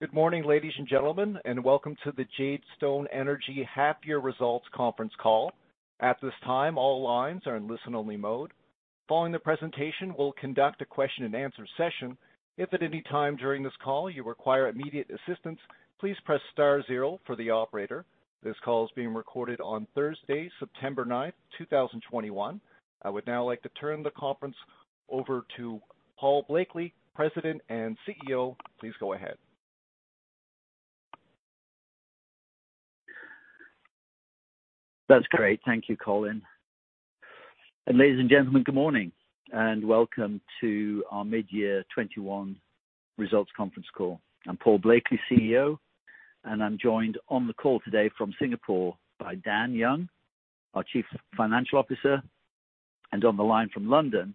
Good morning, ladies and gentlemen, and welcome to the Jadestone Energy half-year results conference call. At this time, all lines are in listen-only mode. Following the presentation, we'll conduct a question and answer session. If at any time during this call you require immediate assistance, please press star zero for the operator. This call is being recorded on Thursday, September 9th, 2021. I would now like to turn the conference over to Paul Blakeley, President and CEO. Please go ahead. That's great. Thank you, Colin. Ladies and gentlemen, good morning, and welcome to our mid-year 2021 results conference call. I'm Paul Blakeley, CEO, and I'm joined on the call today from Singapore by Dan Young, our Chief Financial Officer, and on the line from London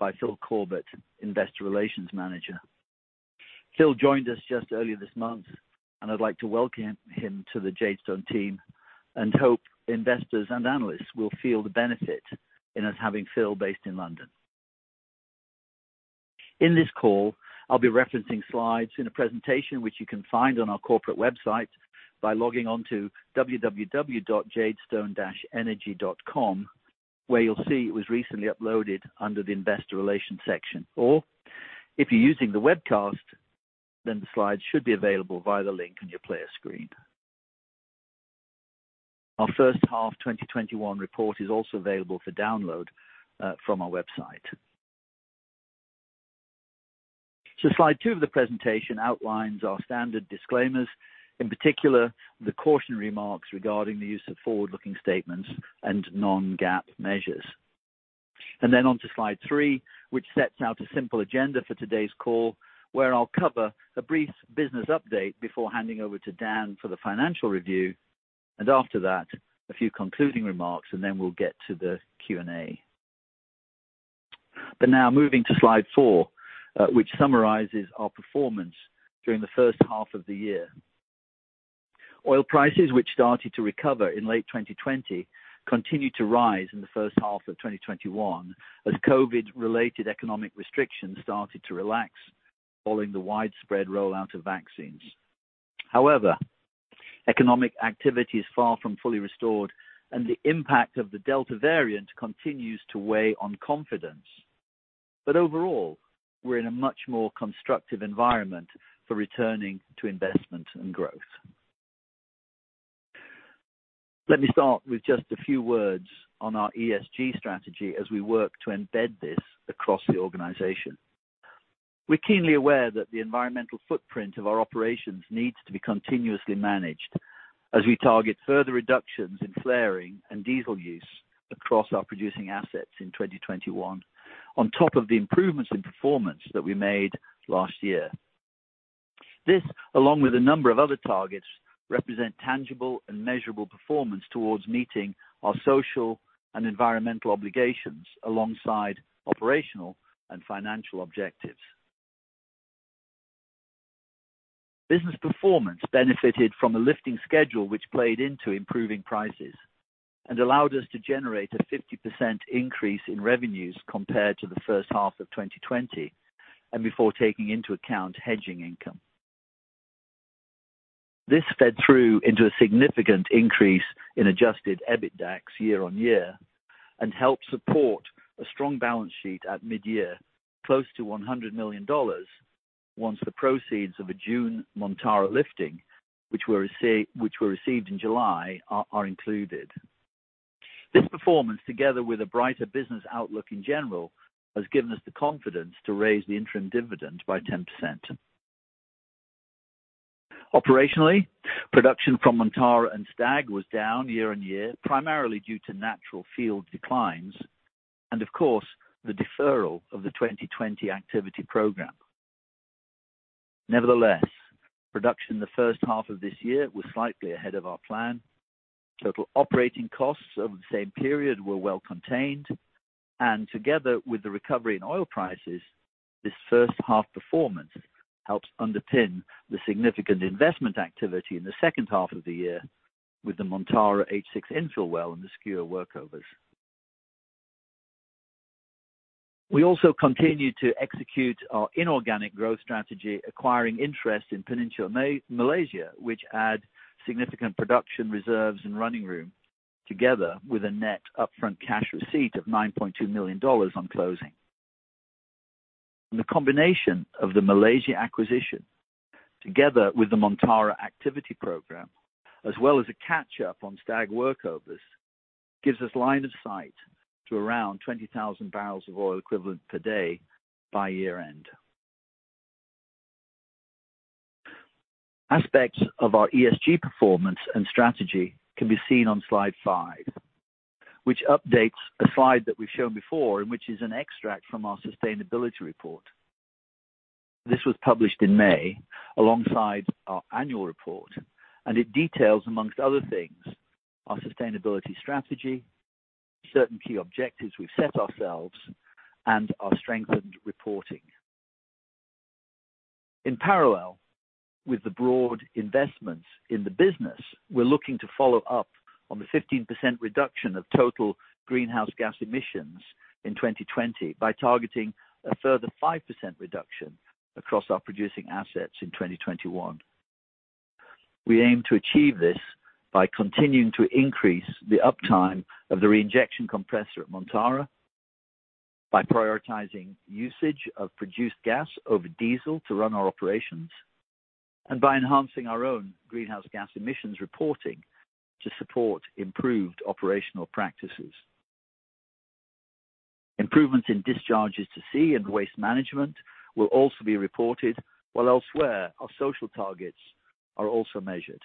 by Phil Corbett, Investor Relations Manager. Phil joined us just earlier this month. I'd like to welcome him to the Jadestone team and hope investors and analysts will feel the benefit in us having Phil based in London. In this call, I'll be referencing slides in a presentation which you can find on our corporate website by logging on to www.jadestone-energy.com, where you'll see it was recently uploaded under the investor relations section. If you're using the webcast, the slides should be available via the link on your player screen. Our first half 2021 report is also available for download from our website. Slide two of the presentation outlines our standard disclaimers. In particular, the cautionary remarks regarding the use of forward-looking statements and non-GAAP measures. Then on to slide three, which sets out a simple agenda for today's call, where I'll cover a brief business update before handing over to Dan for the financial review. After that, a few concluding remarks, then we'll get to the Q&A. Now moving to slide four, which summarizes our performance during the first half of the year. Oil prices, which started to recover in late 2020, continued to rise in the first half of 2021 as COVID-19-related economic restrictions started to relax following the widespread rollout of vaccines. However, economic activity is far from fully restored and the impact of the Delta variant continues to weigh on confidence. Overall, we're in a much more constructive environment for returning to investment and growth. Let me start with just a few words on our ESG strategy as we work to embed this across the organization. We're keenly aware that the environmental footprint of our operations needs to be continuously managed as we target further reductions in flaring and diesel use across our producing assets in 2021, on top of the improvements in performance that we made last year. This, along with a number of other targets, represent tangible and measurable performance towards meeting our social and environmental obligations alongside operational and financial objectives. Business performance benefited from a lifting schedule which played into improving prices and allowed us to generate a 50% increase in revenues compared to the first half of 2020 and before taking into account hedging income. This fed through into a significant increase in adjusted EBITDA year-on-year, and helped support a strong balance sheet at mid-year, close to $100 million, once the proceeds of a June Montara lifting, which were received in July, are included. This performance, together with a brighter business outlook in general, has given us the confidence to raise the interim dividend by 10%. Operationally, production from Montara and Stag was down year-on-year, primarily due to natural field declines and of course, the deferral of the 2020 activity program. Nevertheless, production in the first half of this year was slightly ahead of our plan. Total operating costs over the same period were well contained, and together with the recovery in oil prices, this first half performance helps underpin the significant investment activity in the second half of the year with the Montara H6 infill well and the Skua workovers. We also continued to execute our inorganic growth strategy, acquiring interest in Peninsular Malaysia, which add significant production reserves and running room, together with a net upfront cash receipt of $9.2 million on closing. The combination of the Malaysia acquisition, together with the Montara activity program, as well as a catch-up on Stag workovers, gives us line of sight to around 20,000 boe/d by year end. Aspects of our ESG performance and strategy can be seen on slide five, which updates a slide that we've shown before and which is an extract from our sustainability report. This was published in May alongside our annual report, and it details, amongst other things, our sustainability strategy, certain key objectives we've set ourselves, and our strengthened reporting. In parallel with the broad investments in the business, we're looking to follow up on the 15% reduction of total greenhouse gas emissions in 2020 by targeting a further 5% reduction across our producing assets in 2021. We aim to achieve this by continuing to increase the uptime of the reinjection compressor at Montara, by prioritizing usage of produced gas over diesel to run our operations, and by enhancing our own greenhouse gas emissions reporting to support improved operational practices. Improvements in discharges to sea and waste management will also be reported, while elsewhere, our social targets are also measured.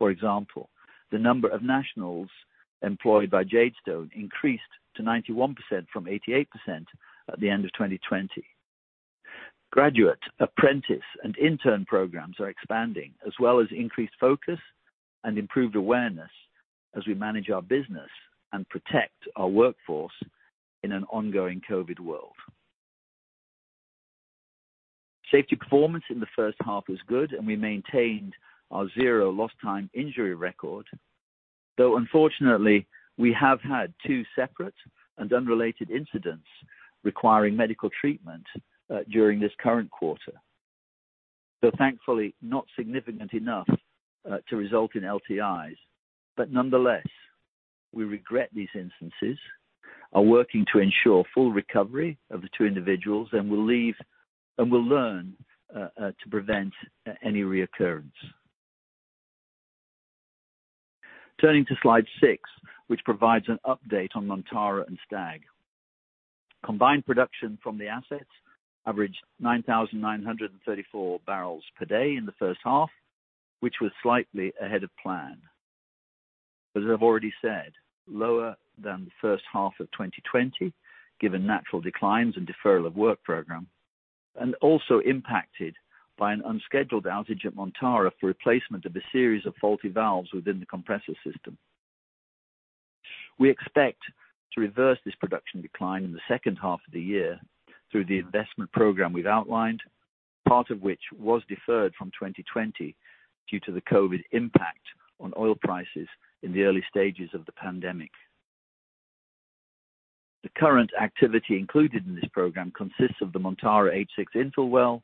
For example, the number of nationals employed by Jadestone increased to 91% from 88% at the end of 2020. Graduate, apprentice, and intern programs are expanding as well as increased focus and improved awareness as we manage our business and protect our workforce in an ongoing COVID world. Safety performance in the first half was good. We maintained our zero LTI record, though unfortunately, we have had two separate and unrelated incidents requiring medical treatment during this current quarter. Thankfully, not significant enough to result in LTIs. Nonetheless, we regret these instances, are working to ensure full recovery of the two individuals, and will learn to prevent any reoccurrence. Turning to slide six, which provides an update on Montara and Stag. Combined production from the assets averaged 9,934 bbl/d in the first half, which was slightly ahead of plan. As I've already said, lower than the first half of 2020, given natural declines and deferral of work program, and also impacted by an unscheduled outage at Montara for replacement of a series of faulty valves within the compressor system. We expect to reverse this production decline in the second half of the year through the investment program we've outlined, part of which was deferred from 2020 due to the COVID impact on oil prices in the early stages of the pandemic. The current activity included in this program consists of the Montara H6 infill well,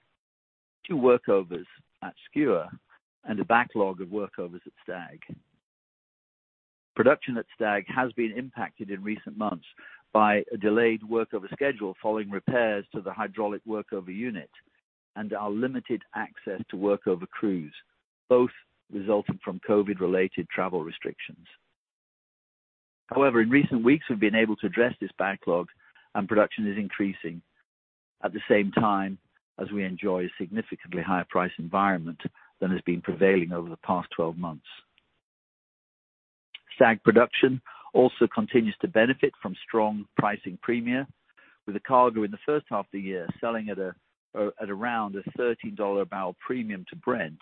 two workovers at Skua, and a backlog of workovers at Stag. Production at Stag has been impacted in recent months by a delayed workover schedule following repairs to the hydraulic workover unit and our limited access to workover crews, both resulting from COVID-related travel restrictions. However, in recent weeks, we've been able to address this backlog, and production is increasing at the same time as we enjoy a significantly higher price environment than has been prevailing over the past 12 months. Stag production also continues to benefit from strong pricing premia, with a cargo in the first half of the year selling at around a $13 barrel premium to Brent,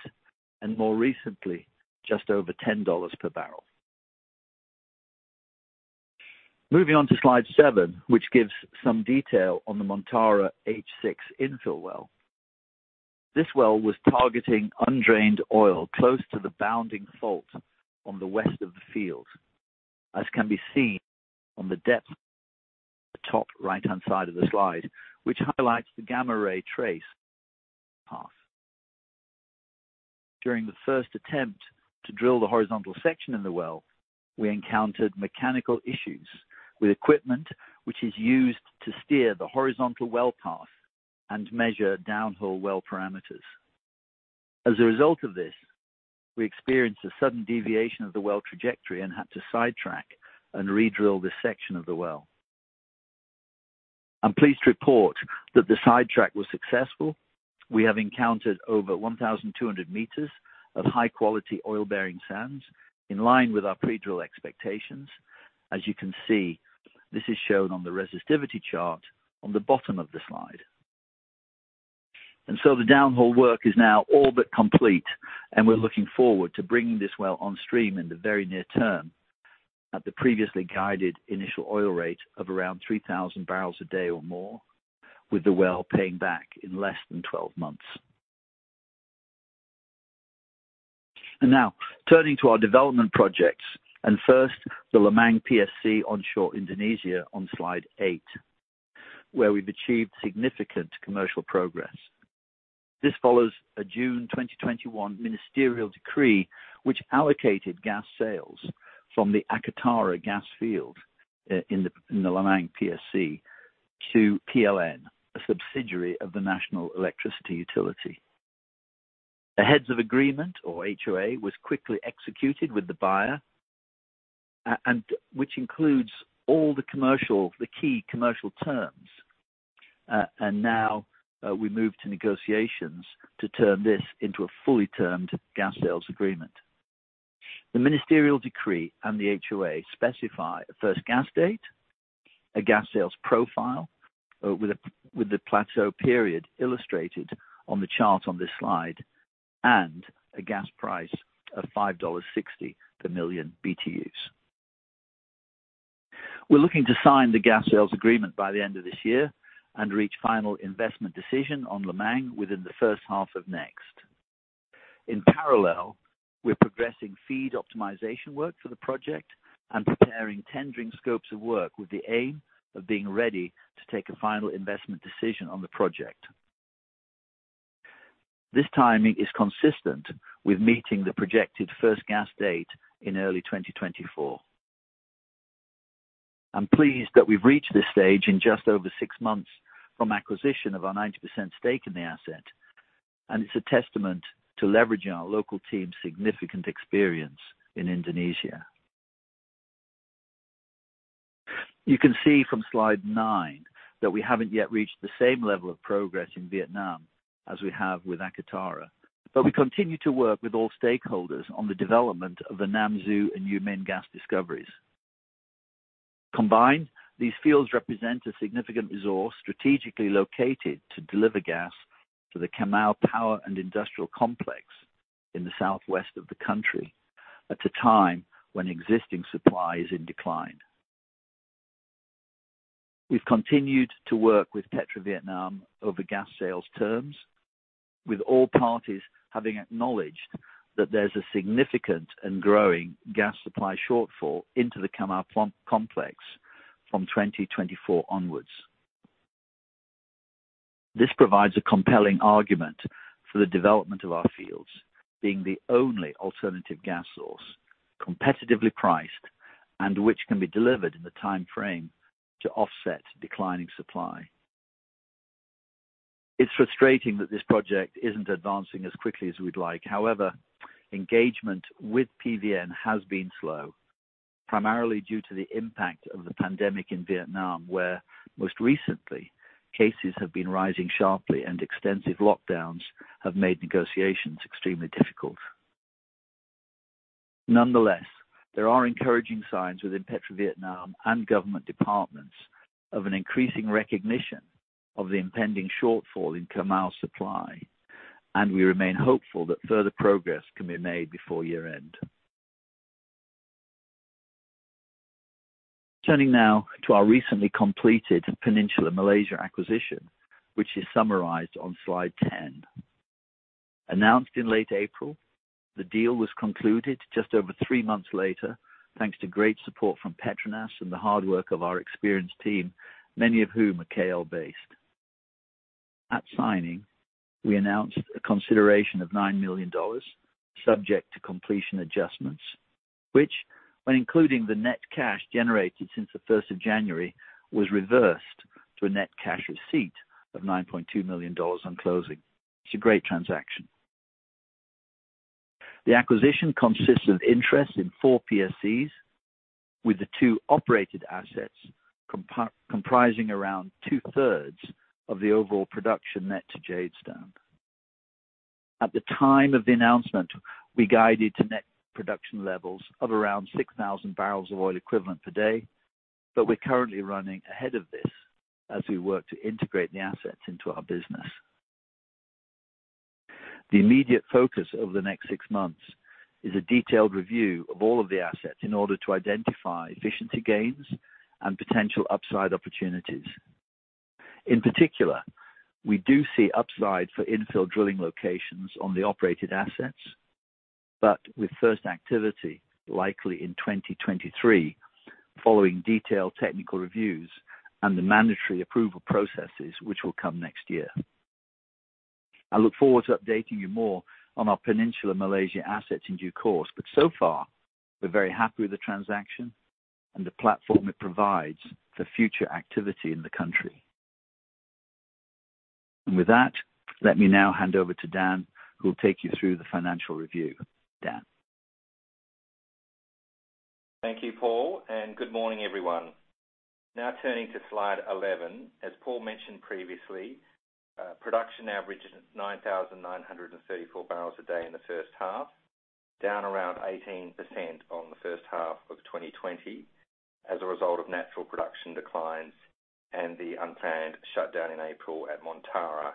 and more recently, just over $10 per barrel. Moving on to slide seven, which gives some detail on the Montara H6 infill well. This well was targeting undrained oil close to the bounding fault on the west of the field, as can be seen on the depth at the top right-hand side of the slide, which highlights the gamma ray trace path. During the first attempt to drill the horizontal section in the well, we encountered mechanical issues with equipment which is used to steer the horizontal well path and measure downhole well parameters. As a result of this, we experienced a sudden deviation of the well trajectory and had to sidetrack and redrill this section of the well. I'm pleased to report that the sidetrack was successful. We have encountered over 1,200 meters of high-quality oil-bearing sands in line with our pre-drill expectations. As you can see, this is shown on the resistivity chart on the bottom of the slide. The downhole work is now all but complete, and we're looking forward to bringing this well on stream in the very near term at the previously guided initial oil rate of around 3,000 bbl/d or more, with the well paying back in less than 12 months. Turning to our development projects. First, the Lemang PSC onshore Indonesia on slide eight, where we've achieved significant commercial progress. This follows a June 2021 ministerial decree which allocated gas sales from the Akatara gas field in the Lemang PSC to PLN, a subsidiary of the national electricity utility. The Heads of Agreement, or HOA, was quickly executed with the buyer, and which includes all the key commercial terms. Now we move to negotiations to turn this into a fully termed gas sales agreement. The ministerial decree and the HOA specify a first gas date, a gas sales profile with the plateau period illustrated on the chart on this slide, and a gas price of $5.60 per million BTUs. We're looking to sign the gas sales agreement by the end of this year and reach final investment decision on Lemang within the first half of next. In parallel, we're progressing FEED optimization work for the project and preparing tendering scopes of work with the aim of being ready to take a final investment decision on the project. This timing is consistent with meeting the projected first gas date in early 2024. I'm pleased that we've reached this stage in just over six months from acquisition of our 90% stake in the asset. It's a testament to leveraging our local team's significant experience in Indonesia. You can see from slide nine that we haven't yet reached the same level of progress in Vietnam as we have with Akatara. We continue to work with all stakeholders on the development of the Nam Du and U Minh gas discoveries. Combined, these fields represent a significant resource, strategically located to deliver gas to the Cà Mau power and industrial complex in the southwest of the country, at a time when existing supply is in decline. We've continued to work with PetroVietnam over gas sales terms, with all parties having acknowledged that there's a significant and growing gas supply shortfall into the Cà Mau complex from 2024 onwards. This provides a compelling argument for the development of our fields being the only alternative gas source, competitively priced, and which can be delivered in the timeframe to offset declining supply. It's frustrating that this project isn't advancing as quickly as we'd like. However, engagement with PVN has been slow, primarily due to the impact of the pandemic in Vietnam, where most recently, cases have been rising sharply and extensive lockdowns have made negotiations extremely difficult. Nonetheless, there are encouraging signs within PetroVietnam and government departments of an increasing recognition of the impending shortfall in Cà Mau supply, and we remain hopeful that further progress can be made before year end. Turning now to our recently completed Peninsula Malaysia acquisition, which is summarized on slide 10. Announced in late April, the deal was concluded just over three months later, thanks to great support from Petronas and the hard work of our experienced team, many of whom are KL-based. At signing, we announced a consideration of $9 million, subject to completion adjustments, which, when including the net cash generated since the 1st of January, was reversed to a net cash receipt of $9.2 million on closing. It's a great transaction. The acquisition consists of interest in four PSCs, with the two operated assets comprising around two-thirds of the overall production net to Jadestone. At the time of the announcement, we guided to net production levels of around 6,000 boe/d, but we're currently running ahead of this as we work to integrate the assets into our business. The immediate focus over the next six months is a detailed review of all of the assets in order to identify efficiency gains and potential upside opportunities. In particular, we do see upside for infill drilling locations on the operated assets, but with first activity likely in 2023, following detailed technical reviews and the mandatory approval processes which will come next year. I look forward to updating you more on our Peninsular Malaysia assets in due course, but so far, we're very happy with the transaction and the platform it provides for future activity in the country. With that, let me now hand over to Dan, who will take you through the financial review. Dan? Thank you, Paul. Good morning, everyone. Turning to slide 11. As Paul mentioned previously, production averaged 9,934 bbl/d in the first half, down around 18% on the first half of 2020 as a result of natural production declines and the unplanned shutdown in April at Montara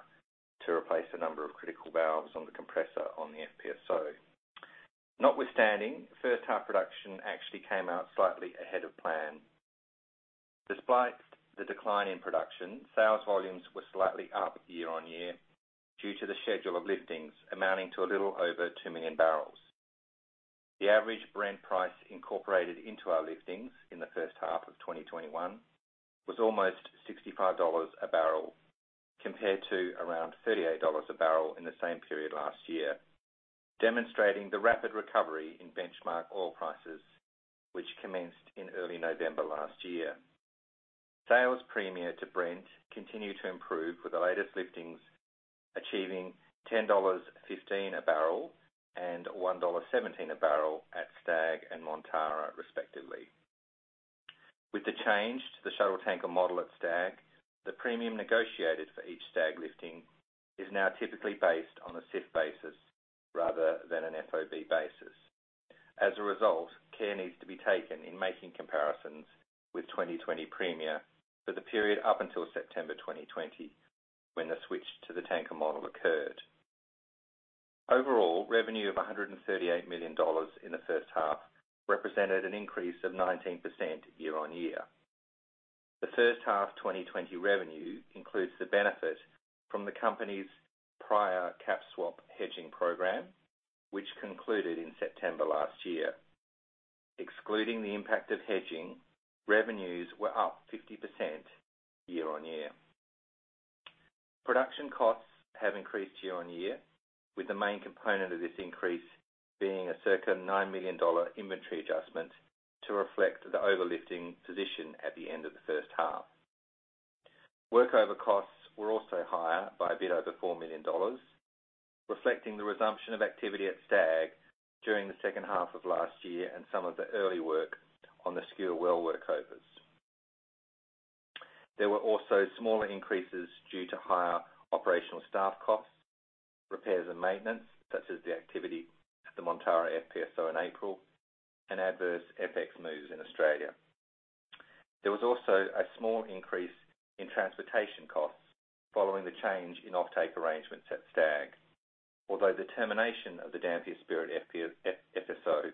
to replace a number of critical valves on the compressor on the FPSO. Notwithstanding, first half production actually came out slightly ahead of plan. Despite the decline in production, sales volumes were slightly up year-on-year due to the schedule of liftings amounting to a little over 2 million bbl. The average Brent price incorporated into our liftings in the first half of 2021 was almost $65 a barrel, compared to around $38 a barrel in the same period last year, demonstrating the rapid recovery in benchmark oil prices, which commenced in early November last year. Sales premium to Brent continued to improve, with the latest liftings achieving $10.15 a barrel and $1.17 a barrel at Stag and Montara respectively. With the change to the shuttle tanker model at Stag, the premium negotiated for each Stag lifting is now typically based on a CIF basis rather than an FOB basis. As a result, care needs to be taken in making comparisons with 2020 premium for the period up until September 2020, when the switch to the tanker model occurred. Overall revenue of $138 million in the first half represented an increase of 19% year-on-year. The first half 2020 revenue includes the benefit from the company's prior cap swap hedging program, which concluded in September last year. Excluding the impact of hedging, revenues were up 50% year-on-year. Production costs have increased year-on-year, with the main component of this increase being a circa $9 million inventory adjustment to reflect the overlifting position at the end of the first half. Workover costs were also higher by a bit over $4 million, reflecting the resumption of activity at Stag during the second half of last year, and some of the early work on the Skua well workovers. There were also smaller increases due to higher operational staff costs, repairs and maintenance, such as the activity at the Montara FPSO in April, and adverse FX moves in Australia. There was also a small increase in transportation costs following the change in offtake arrangements at Stag. Although the termination of the Dampier Spirit FPSO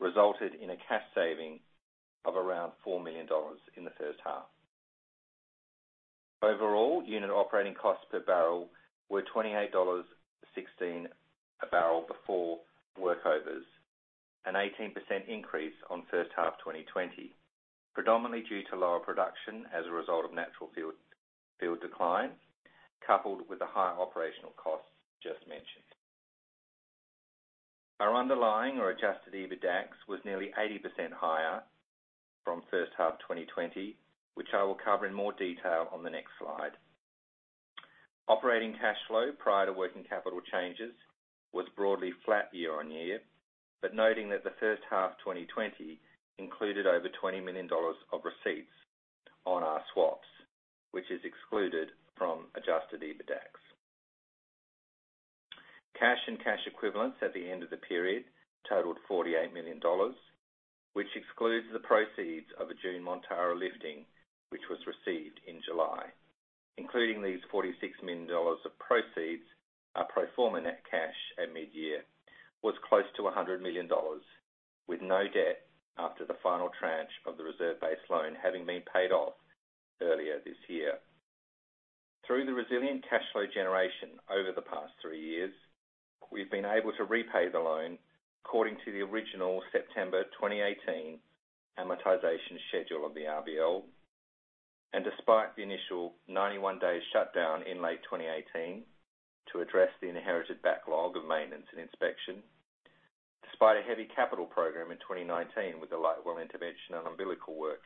resulted in a cash saving of around $4 million in the first half. Overall, unit operating costs per barrel were $28.16 a barrel before workovers, an 18% increase on first half 2020, predominantly due to lower production as a result of natural field decline, coupled with the higher operational costs just mentioned. Our underlying or adjusted EBITDAX was nearly 80% higher from first half 2020, which I will cover in more detail on the next slide. Operating cash flow prior to working capital changes was broadly flat year-on-year, but noting that the first half 2020 included over $20 million of receipts on our swaps, which is excluded from adjusted EBITDAX. Cash and cash equivalents at the end of the period totaled $48 million, which excludes the proceeds of the June Montara lifting, which was received in July. Including these, $46 million of proceeds are pro forma net cash at mid-year was close to $100 million, with no debt after the final tranche of the reserve-based loan having been paid off earlier this year. Through the resilient cash flow generation over the past three years, we've been able to repay the loan according to the original September 2018 amortization schedule of the RBL, and despite the initial 91-day shutdown in late 2018 to address the inherited backlog of maintenance and inspection, despite a heavy capital program in 2019 with the light well intervention and umbilical work,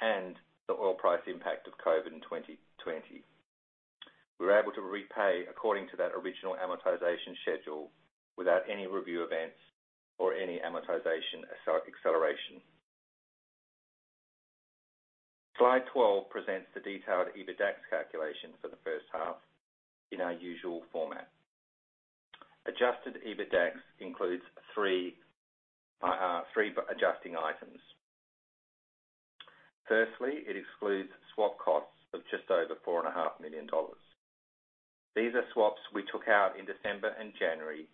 and the oil price impact of COVID-19 in 2020. We were able to repay according to that original amortization schedule without any review events or any amortization acceleration. Slide 12 presents the detailed EBITDAX calculation for the first half in our usual format. Adjusted EBITDAX includes three adjusting items. Firstly, it excludes swap costs of just over $4.5 million. These are swaps we took out in December and January,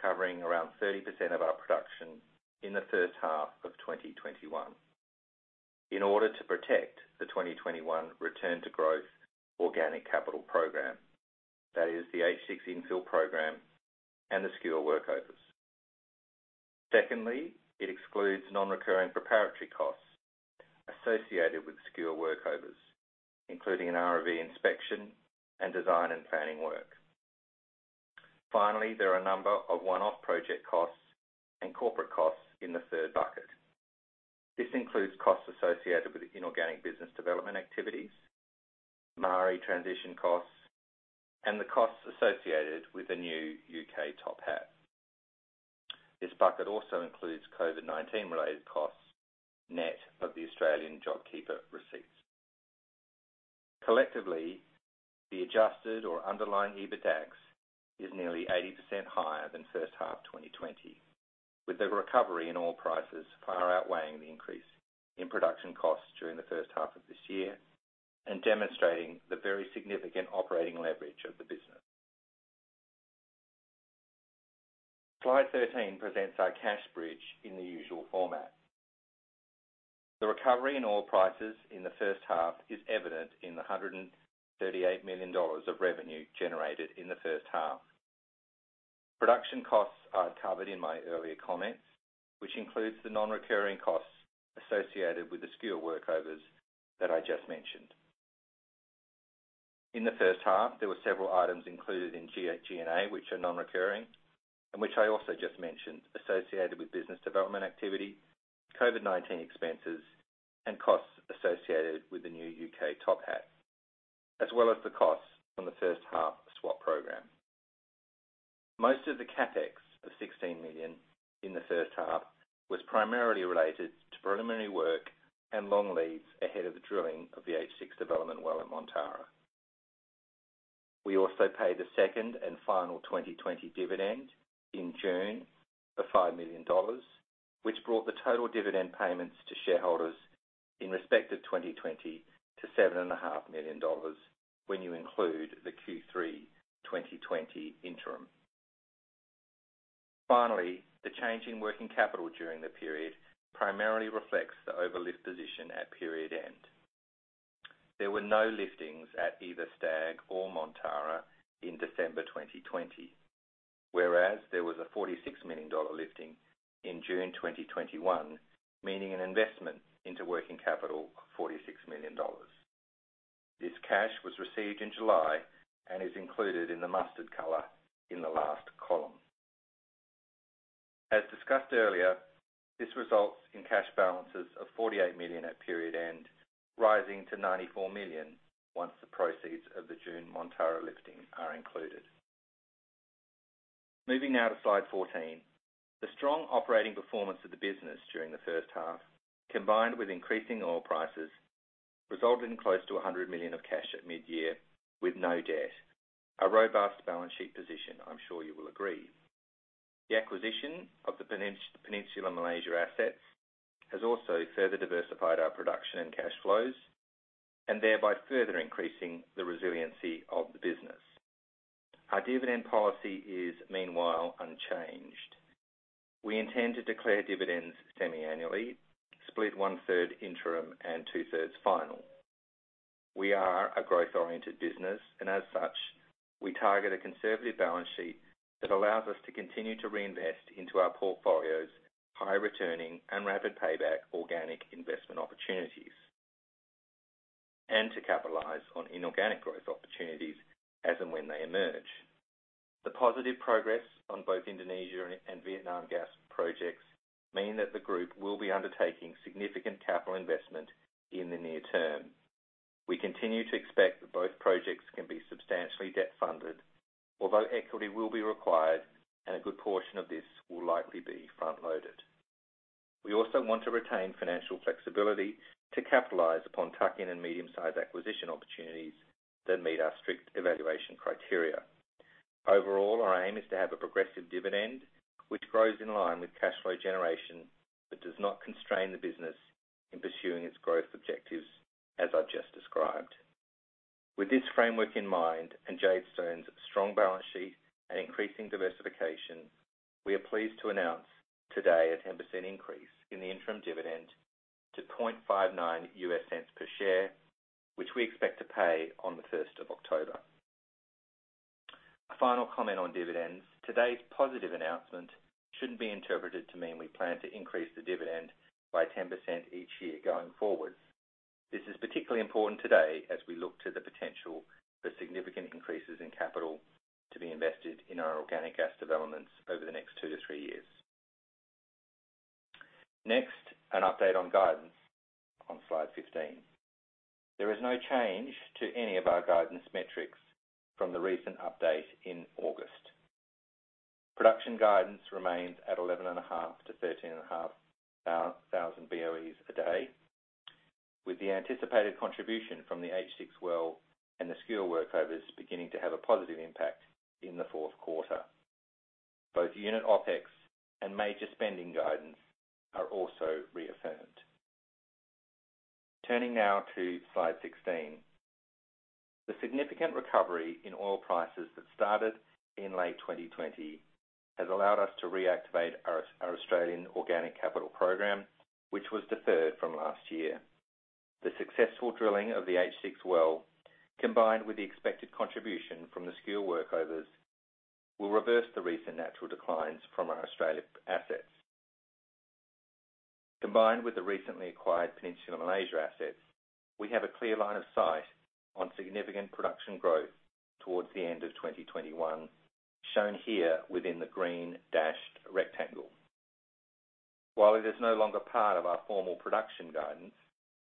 covering around 30% of our production in the first half of 2021. In order to protect the 2021 return to growth organic capital program, that is the H6 infill program and the Skua workovers. Secondly, it excludes non-recurring preparatory costs associated with Skua workovers, including an ROV inspection and design and planning work. Finally, there are a number of one-off project costs and corporate costs in the third bucket. This includes costs associated with inorganic business development activities, Maari transition costs, and the costs associated with the new UK Topex. This bucket also includes COVID-19-related costs, net of the Australian JobKeeper receipts. Collectively, the adjusted or underlying EBITDAX is nearly 80% higher than first half 2020, with the recovery in oil prices far outweighing the increase in production costs during the first half of this year, demonstrating the very significant operating leverage of the business. Slide 13 presents our cash bridge in the usual format. The recovery in oil prices in the first half is evident in the $138 million of revenue generated in the first half. Production costs are covered in my earlier comments, which includes the non-recurring costs associated with the Skua workovers that I just mentioned. In the first half, there were several items included in G&A which are non-recurring, and which I also just mentioned, associated with business development activity, COVID-19 expenses, and costs associated with the new UK Topex, as well as the costs from the first half swap program. Most of the CapEx of $16 million in the first half was primarily related to preliminary work and long leads ahead of the drilling of the H6 development well at Montara. We also paid the second and final 2020 dividend in June of $5 million, which brought the total dividend payments to shareholders in respect of 2020 to $7.5 million when you include the Q3 2020 interim. Finally, the change in working capital during the period primarily reflects the overlift position at period end. There were no liftings at either Stag or Montara in December 2020, whereas there was a $46 million lifting in June 2021, meaning an investment into working capital of $46 million. This cash was received in July and is included in the mustard color in the last column. As discussed earlier, this results in cash balances of $48 million at period end, rising to $94 million once the proceeds of the June Montara lifting are included. Moving now to slide 14. The strong operating performance of the business during the first half, combined with increasing oil prices, resulted in close to $100 million of cash at midyear with no debt. A robust balance sheet position, I'm sure you will agree. The acquisition of the Peninsular Malaysia assets has also further diversified our production and cash flows, and thereby further increasing the resiliency of the business. Our dividend policy is meanwhile unchanged. We intend to declare dividends semiannually, split one-third interim and two-thirds final. We are a growth-oriented business, and as such, we target a conservative balance sheet that allows us to continue to reinvest into our portfolio's high returning and rapid payback organic investment opportunities, and to capitalize on inorganic growth opportunities as and when they emerge. The positive progress on both Indonesia and Vietnam gas projects mean that the group will be undertaking significant capital investment in the near term. We continue to expect that both projects can be substantially debt-funded, although equity will be required and a good portion of this will likely be front-loaded. We also want to retain financial flexibility to capitalize upon tuck-in and medium-size acquisition opportunities that meet our strict evaluation criteria. Overall, our aim is to have a progressive dividend which grows in line with cash flow generation, but does not constrain the business in pursuing its growth objectives, as I've just described. With this framework in mind and Jadestone's strong balance sheet and increasing diversification, we are pleased to announce today a 10% increase in the interim dividend to $0.59 per share, which we expect to pay on the 1st of October. A final comment on dividends. Today's positive announcement shouldn't be interpreted to mean we plan to increase the dividend by 10% each year going forward. This is particularly important today as we look to the potential for significant increases in capital to be invested in our organic gas developments over the next two to three years. Next, an update on guidance on slide 15. There is no change to any of our guidance metrics from the recent update in August. Production guidance remains at 11,500 boe/d-13,500 boe/d. With the anticipated contribution from the H6 well and the Skua workovers beginning to have a positive impact in the fourth quarter. Both unit OPEX and major spending guidance are also reaffirmed. Turning now to slide 16. The significant recovery in oil prices that started in late 2020 has allowed us to reactivate our Australian organic capital program, which was deferred from last year. The successful drilling of the H6 well, combined with the expected contribution from the Skua workovers, will reverse the recent natural declines from our Australian assets. Combined with the recently acquired Peninsular Malaysia assets, we have a clear line of sight on significant production growth towards the end of 2021, shown here within the green dashed rectangle. While it is no longer part of our formal production guidance,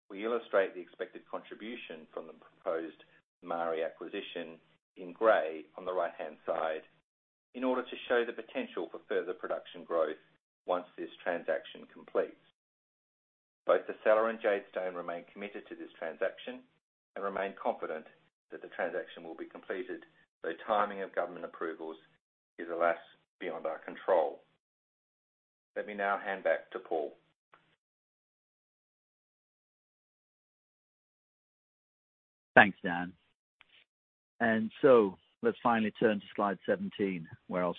we illustrate the expected contribution from the proposed Maari acquisition in gray on the right-hand side in order to show the potential for further production growth once this transaction completes. Both the seller and Jadestone remain committed to this transaction, and remain confident that the transaction will be completed, though timing of government approvals is alas, beyond our control. Let me now hand back to Paul. Thanks, Dan. Let's finally turn to slide 17, where I'll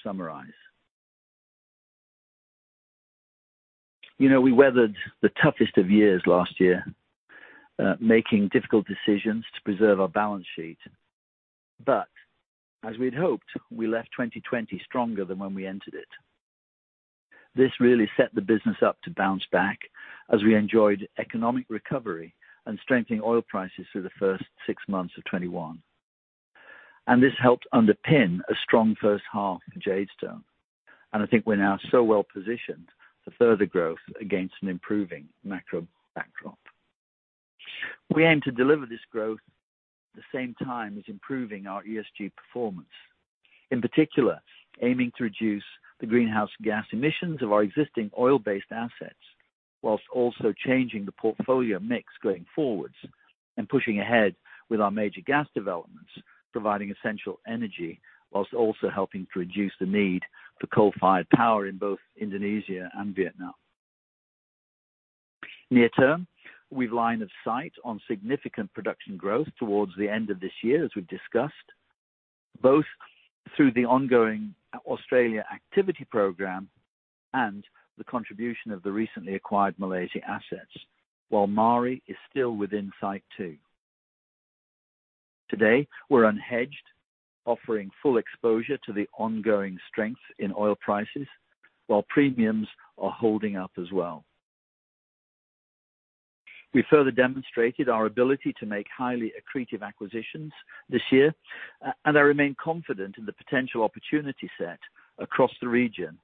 summarize. We weathered the toughest of years last year, making difficult decisions to preserve our balance sheet. As we'd hoped, we left 2020 stronger than when we entered it. This really set the business up to bounce back as we enjoyed economic recovery and strengthening oil prices through the first six months of 2021. This helped underpin a strong first half for Jadestone, and I think we're now so well-positioned for further growth against an improving macro backdrop. We aim to deliver this growth at the same time as improving our ESG performance. In particular, aiming to reduce the greenhouse gas emissions of our existing oil-based assets whilst also changing the portfolio mix going forwards and pushing ahead with our major gas developments, providing essential energy whilst also helping to reduce the need for coal-fired power in both Indonesia and Vietnam. Near term, we've line of sight on significant production growth towards the end of this year, as we've discussed, both through the ongoing Australia activity program and the contribution of the recently acquired Malaysia assets, while Maari is still within sight, too. Today, we're unhedged, offering full exposure to the ongoing strength in oil prices, while premiums are holding up as well. We further demonstrated our ability to make highly accretive acquisitions this year, and I remain confident in the potential opportunity set across the region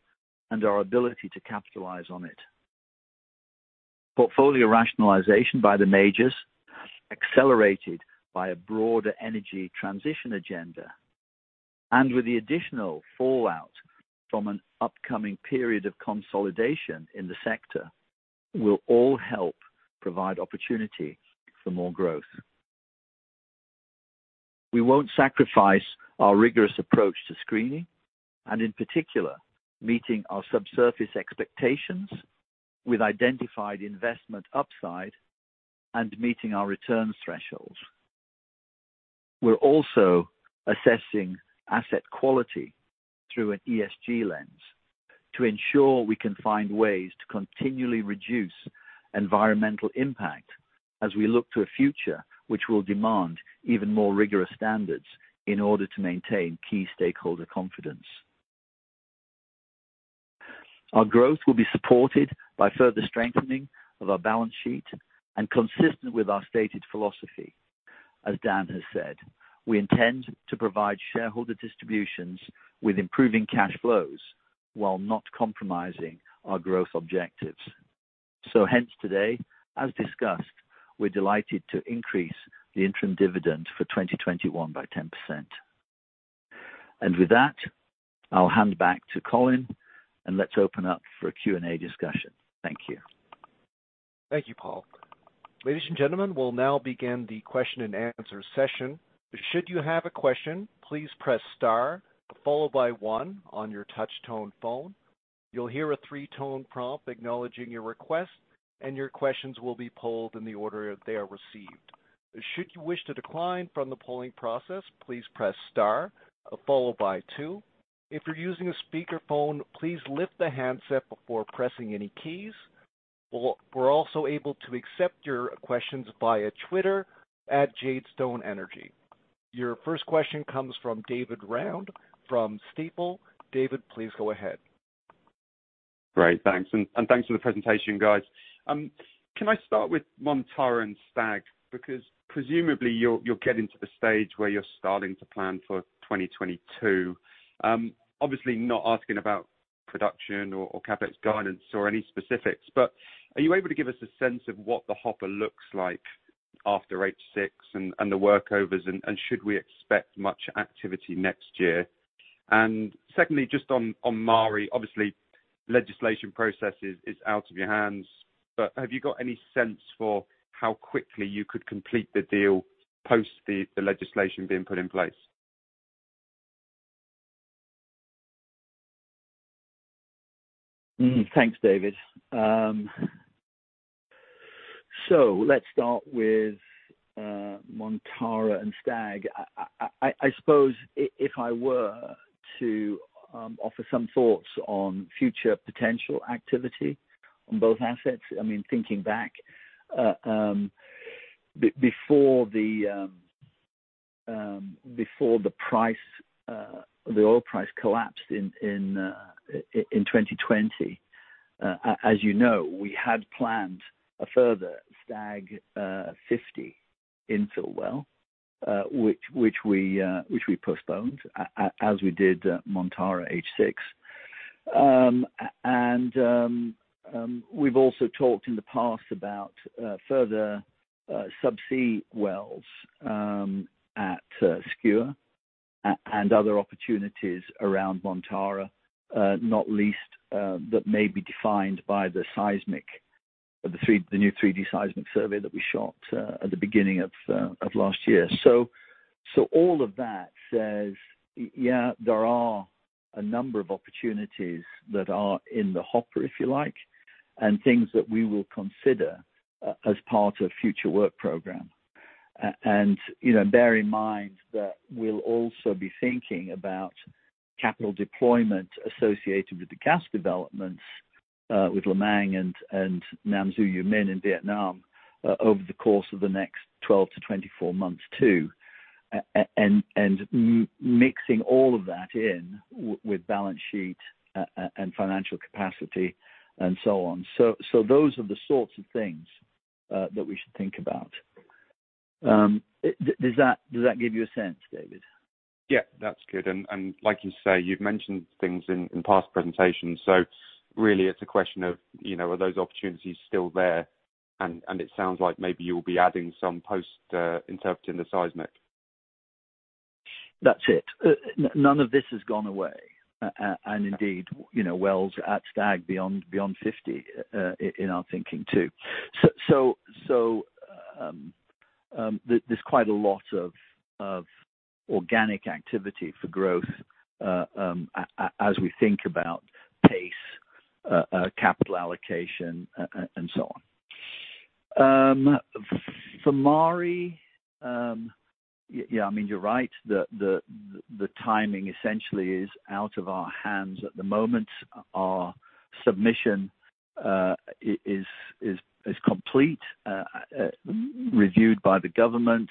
and our ability to capitalize on it. Portfolio rationalization by the majors, accelerated by a broader energy transition agenda, and with the additional fallout from an upcoming period of consolidation in the sector, will all help provide opportunity for more growth. We won't sacrifice our rigorous approach to screening, and in particular, meeting our subsurface expectations with identified investment upside and meeting our returns thresholds. We're also assessing asset quality through an ESG lens to ensure we can find ways to continually reduce environmental impact as we look to a future which will demand even more rigorous standards in order to maintain key stakeholder confidence. Our growth will be supported by further strengthening of our balance sheet and consistent with our stated philosophy. As Dan has said, we intend to provide shareholder distributions with improving cash flows while not compromising our growth objectives. Hence today, as discussed, we're delighted to increase the interim dividend for 2021 by 10%. With that, I'll hand back to Colin, and let's open up for a Q&A discussion. Thank you. Thank you, Paul. Ladies and gentlemen, we'll now begin the question and answer session. Should you have a question please press star follow by the one on your touch tone phone, you will hear a three tone prompt acknowledging your request and your questions will be pooled in the order of their received. Should you wish to decline from the polling process, please press star follow by two, if you're using a speakerphone please lift the handset before pressing any keys, or we're also able to accept your questions by a Twitter at Jadestone Energy. Your first question comes from David Round from Stifel. David, please go ahead. Great. Thanks. Thanks for the presentation, guys. Can I start with Montara and Stag? Presumably, you're getting to the stage where you're starting to plan for 2022. Obviously, not asking about production or CapEx guidance or any specifics, but are you able to give us a sense of what the hopper looks like after H6 and the workovers, and should we expect much activity next year? Secondly, just on Maari, obviously, legislation processes is out of your hands. Have you got any sense for how quickly you could complete the deal post the legislation being put in place? Thanks, David. Let's start with Montara and Stag. I suppose if I were to offer some thoughts on future potential activity on both assets. Thinking back, before the oil price collapsed in 2020. As you know, we had planned a further Stag infill well which we postponed, as we did Montara H6. We've also talked in the past about further sub-sea wells at Skua and other opportunities around Montara, not least, that may be defined by the new 3D seismic survey that we shot at the beginning of last year. All of that says, yeah, there are a number of opportunities that are in the hopper, if you like, and things that we will consider as part of future work program. Bear in mind that we'll also be thinking about capital deployment associated with the gas developments with Lemang and Nam Du, U Minh in Vietnam over the course of the next 12-24 months, too. Mixing all of that in with balance sheet and financial capacity and so on. Those are the sorts of things that we should think about. Does that give you a sense, David? Yeah, that's good. Like you say, you've mentioned things in past presentations. Really it's a question of, are those opportunities still there? It sounds like maybe you'll be adding some post interpreting the seismic. That's it. None of this has gone away. Indeed, wells at Stag beyond 50 in our thinking too. There's quite a lot of organic activity for growth as we think about pace, capital allocation, and so on. For Maari, yeah, you're right. The timing essentially is out of our hands at the moment. Our submission is complete, reviewed by the government.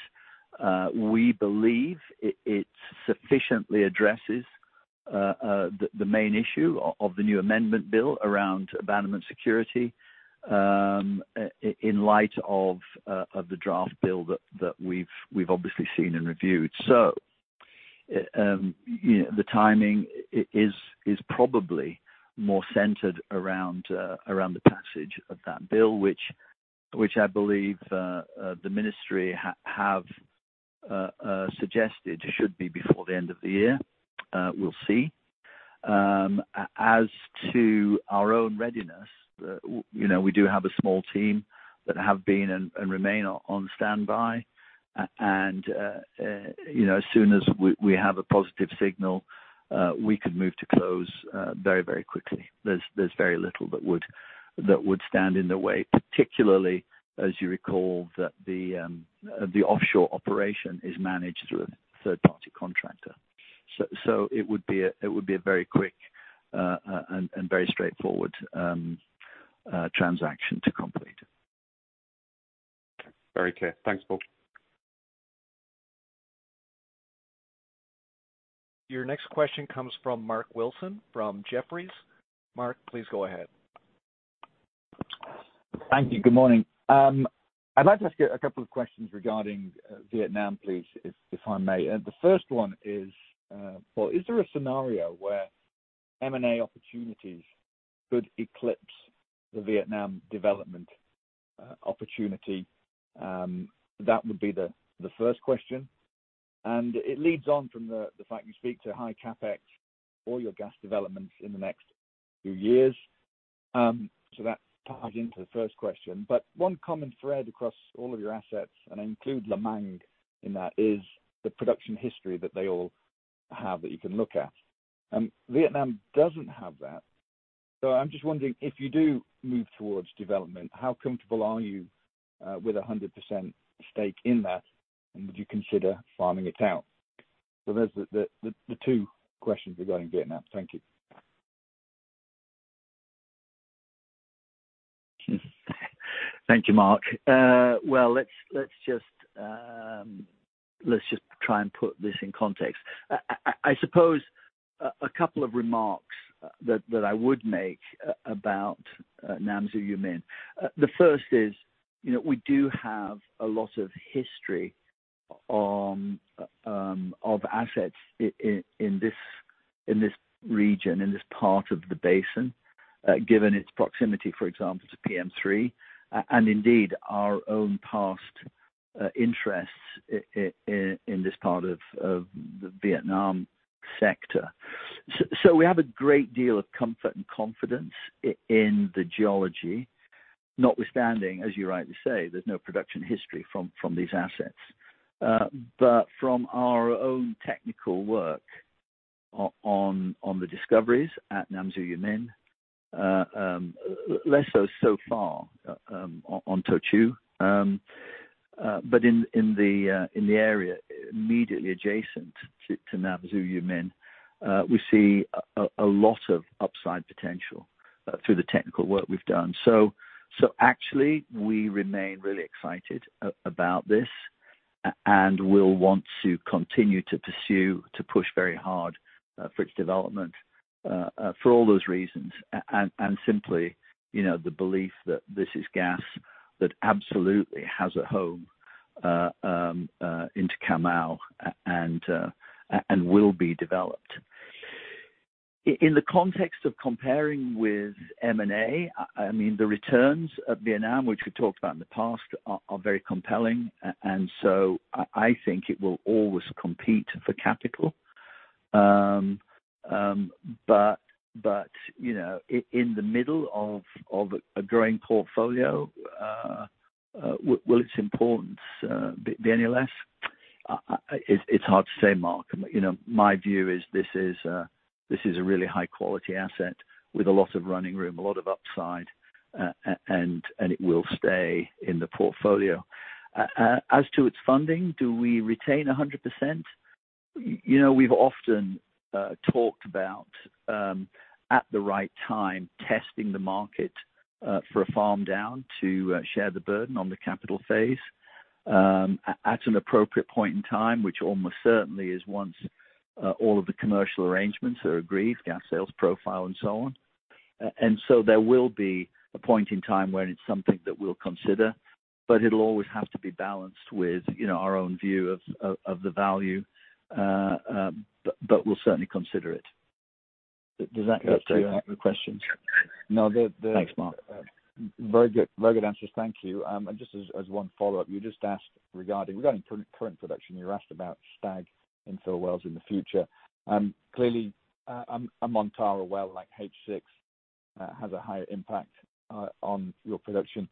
We believe it sufficiently addresses the main issue of the new amendment bill around abandonment security, in light of the draft bill that we've obviously seen and reviewed. The timing is probably more centered around the passage of that bill, which I believe the Ministry have suggested should be before the end of the year. We'll see. As to our own readiness, we do have a small team that have been and remain on standby. As soon as we have a positive signal, we could move to close very quickly. There is very little that would stand in the way, particularly as you recall that the offshore operation is managed through a third-party contractor. It would be a very quick and very straightforward transaction to complete. Very clear. Thanks, Paul. Your next question comes from Mark Wilson, from Jefferies. Mark, please go ahead. Thank you. Good morning. I'd like to ask you a couple of questions regarding Vietnam, please, if I may. The first one is, Paul, is there a scenario where M&A opportunities could eclipse the Vietnam development opportunity? That would be the first question. It leads on from the fact you speak to high CapEx for your gas developments in the next few years. That ties into the first question. One common thread across all of your assets, and I include Lemang in that, is the production history that they all have that you can look at. Vietnam doesn't have that. I'm just wondering, if you do move towards development, how comfortable are you with 100% stake in that, and would you consider farming it out? There's the two questions regarding Vietnam. Thank you. Thank you, Mark. Well, let's just try and put this in context. I suppose, a couple of remarks that I would make about Nam Du, U Minh. The first is, we do have a lot of history of assets in this region, in this part of the basin. Given its proximity, for example, to PM3, and indeed our own past interests in this part of the Vietnam sector. We have a great deal of comfort and confidence in the geology. Notwithstanding, as you rightly say, there's no production history from these assets. From our own technical work on the discoveries at Nam Du, U Minh, less so far on Tho Chu. In the area immediately adjacent to Nam Du, U Minh, we see a lot of upside potential through the technical work we've done. Actually, we remain really excited about this and will want to continue to pursue, to push very hard for its development for all those reasons. Simply, the belief that this is gas that absolutely has a home into Cà Mau and will be developed. In the context of comparing with M&A, the returns of Vietnam, which we talked about in the past, are very compelling. I think it will always compete for capital. In the middle of a growing portfolio, will its importance be any less? It's hard to say, Mark. My view is this is a really high-quality asset with a lot of running room, a lot of upside, and it will stay in the portfolio. As to its funding, do we retain 100%? We've often talked about, at the right time, testing the market for a farm down to share the burden on the capital phase at an appropriate point in time, which almost certainly is once all of the commercial arrangements are agreed, gas sales profile and so on. There will be a point in time when it's something that we'll consider, but it'll always have to be balanced with our own view of the value. We'll certainly consider it. Does that answer your questions? No. Thanks, Mark. Very good answers. Thank you. Just as one follow-up, regarding current production, you were asked about Stag infill wells in the future. Clearly, a Montara well like H6 has a higher impact on your production.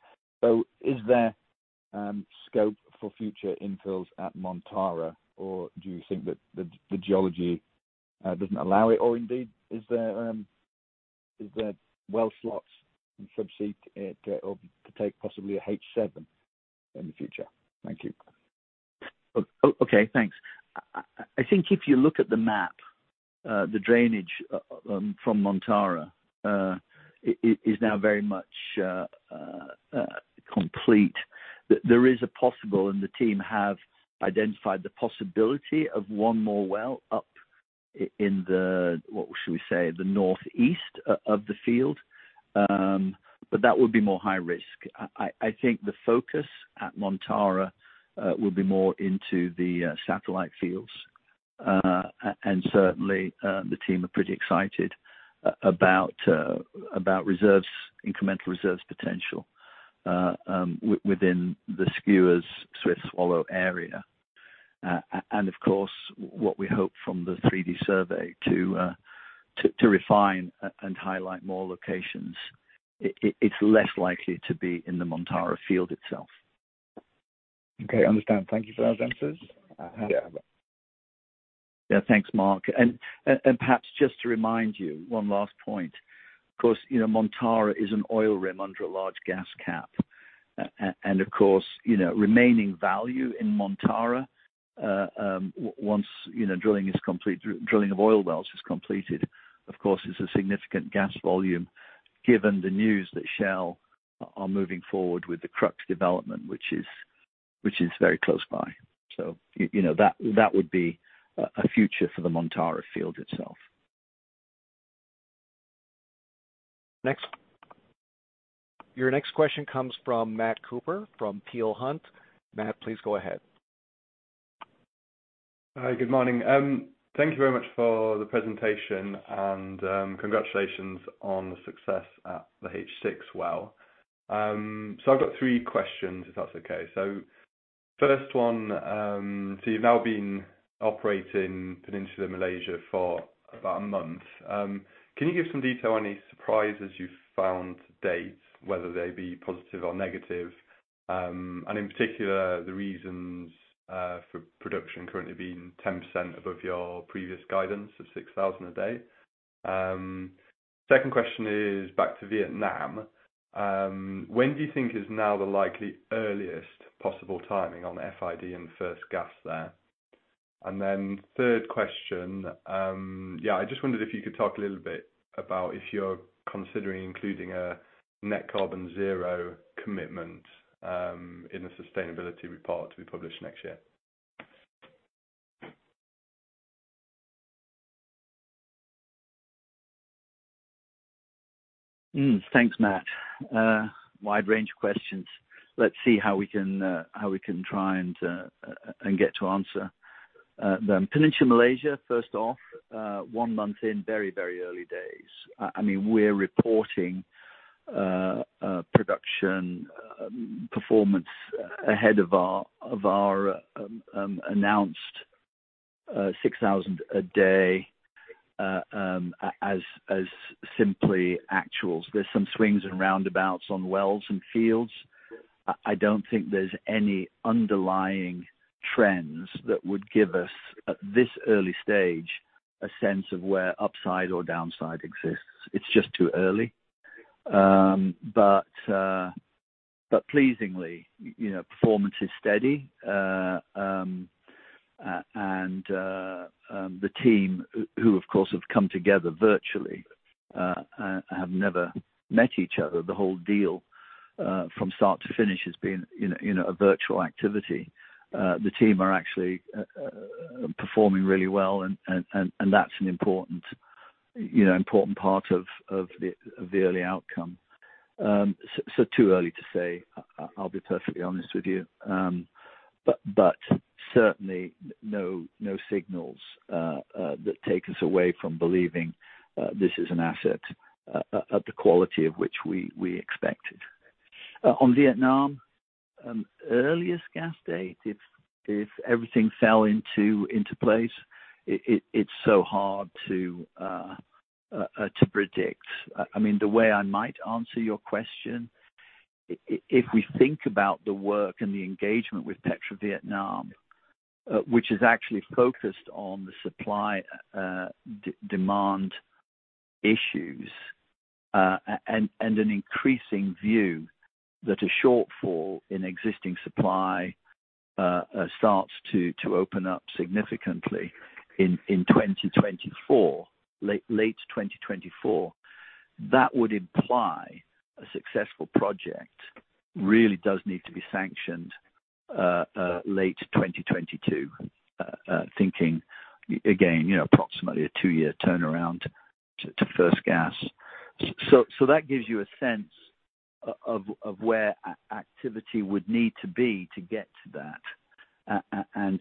Is there scope for future infills at Montara, or do you think that the geology doesn't allow it? Indeed, is there well slots subsea to take possibly a H7 in the future? Thank you. Okay, thanks. I think if you look at the map, the drainage from Montara is now very much complete. There is a possible, the team have identified the possibility of one more well up in the, what should we say, the northeast of the field. That would be more high risk. I think the focus at Montara will be more into the satellite fields. Certainly, the team are pretty excited about incremental reserves potential within the Skua, Swift and Swallow area. Of course, what we hope from the 3D survey to refine and highlight more locations. It's less likely to be in the Montara field itself. Okay, understand. Thank you for those answers. Thanks, Mark. Perhaps just to remind you, one last point. Of course, Montara is an oil rim under a large gas cap. Of course, remaining value in Montara, once drilling of oil wells is completed, of course, is a significant gas volume, given the news that Shell are moving forward with the Crux development, which is very close by. That would be a future for the Montara field itself. Next. Your next question comes from Matt Cooper from Peel Hunt. Matt, please go ahead. Hi. Good morning. Thank you very much for the presentation, and congratulations on the success at the H6 well. I've got three questions, if that's okay. First one, so you've now been operating Peninsular Malaysia for about a month. Can you give some detail on any surprises you've found to date, whether they be positive or negative? In particular, the reasons for production currently being 10% above your previous guidance of 6,000 boe/d. Second question is back to Vietnam. When do you think is now the likely earliest possible timing on FID and first gas there? Third question, I just wondered if you could talk a little bit about if you're considering including a net carbon zero commitment in the sustainability report to be published next year. Thanks, Matt. Wide range of questions. Let's see how we can try and get to answer them. Peninsular Malaysia, first off, one month in, very early days. We're reporting production performance ahead of our announced 6,000 boe/d as simply actuals. There are some swings and roundabouts on wells and fields. I don't think there's any underlying trends that would give us, at this early stage, a sense of where upside or downside exists. It's just too early. Pleasingly, performance is steady. The team who, of course, have come together virtually, have never met each other. The whole deal from start to finish has been a virtual activity. The team are actually performing really well, and that's an important part of the early outcome. Too early to say, I'll be perfectly honest with you. Certainly no signals that take us away from believing this is an asset of the quality of which we expected. On Vietnam, earliest gas date, if everything fell into place, it's so hard to predict. The way I might answer your question, if we think about the work and the engagement with PetroVietnam, which is actually focused on the supply/demand issues, and an increasing view that a shortfall in existing supply starts to open up significantly in 2024, late 2024. That would imply a successful project really does need to be sanctioned late 2022. Thinking again, approximately a two year turnaround to first gas. That gives you a sense of where activity would need to be to get to that.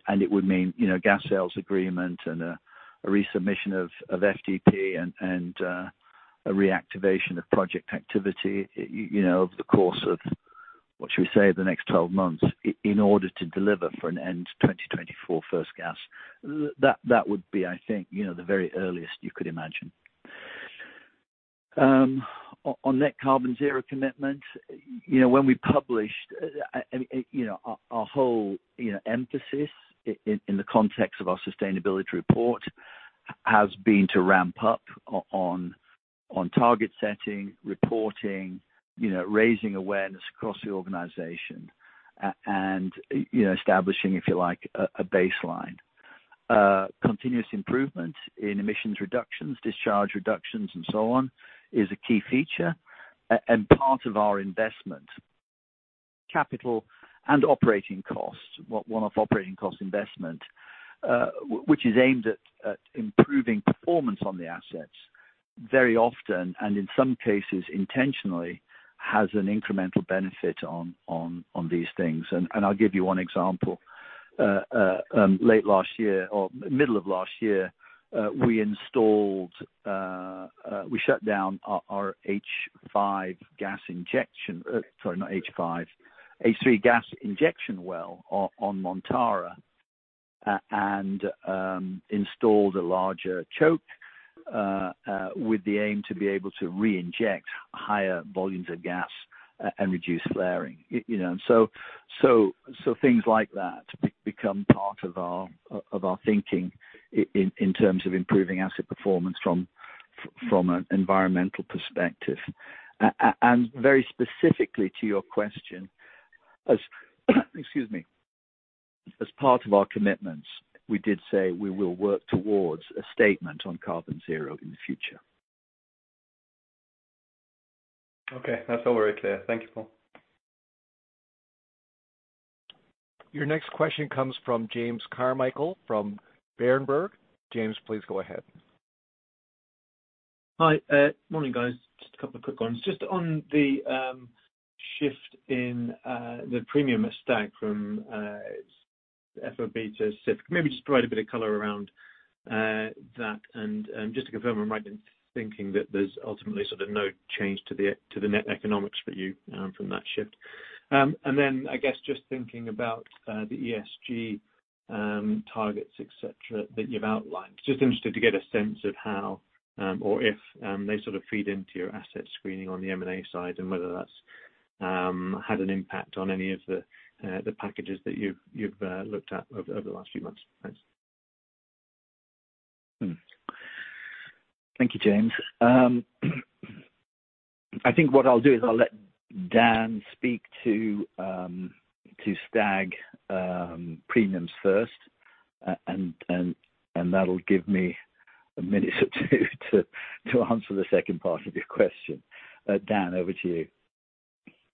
It would mean gas sales agreement and a resubmission of FDP and a reactivation of project activity, over the course of, what should we say, the next 12 months in order to deliver for an end 2024 first gas. That would be, I think, the very earliest you could imagine. On net carbon zero commitment, when we published, our whole emphasis in the context of our sustainability report, has been to ramp up on target setting, reporting, raising awareness across the organization, and establishing, if you like, a baseline. Continuous improvement in emissions reductions, discharge reductions, and so on, is a key feature and part of our investment. Capital and operating costs, one-off operating cost investment, which is aimed at improving performance on the assets very often, and in some cases intentionally, has an incremental benefit on these things. I'll give you one example. Late last year or middle of last year, we shut down our H3 gas injection well on Montara and installed a larger choke, with the aim to be able to reinject higher volumes of gas and reduce flaring. Things like that become part of our thinking in terms of improving asset performance from an environmental perspective. Very specifically to your question, as, excuse me, as part of our commitments, we did say we will work towards a statement on carbon zero in the future. Okay. That's all very clear. Thank you, Paul. Your next question comes from James Carmichael from Berenberg. James, please go ahead. Hi. Morning, guys. Just a couple of quick ones. Just on the shift in the premium of Stag from FOB to CIF. Maybe just provide a bit of color around that and just to confirm I'm right in thinking that there's ultimately sort of no change to the net economics for you from that shift. I guess just thinking about the ESG targets, et cetera, that you've outlined. Just interested to get a sense of how, or if, they sort of feed into your asset screening on the M&A side and whether that's had an impact on any of the packages that you've looked at over the last few months. Thanks. Thank you, James. I think what I'll do is I'll let Dan speak to Stag premiums first, and that'll give me a minute or two to answer the second part of your question. Dan, over to you.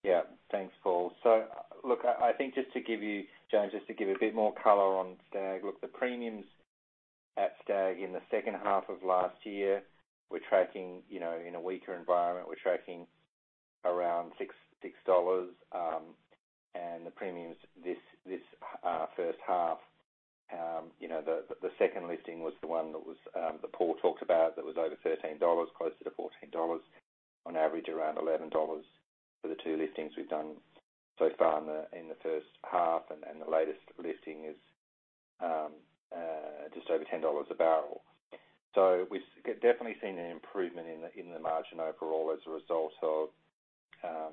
Yeah. Thanks, Paul. Look, I think just to give you, James, just to give a bit more color on Stag. Look, the premiums at Stag in the second half of last year were tracking in a weaker environment. We're tracking around $6, and the premiums this first half, the second listing was the one that Paul talked about that was over $13, closer to $14. On average, around $11 for the two listings we've done so far in the first half, and the latest listing is just over $10 a barrel. We've definitely seen an improvement in the margin overall as a result of